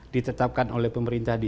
ditetapkan oleh pemerintah di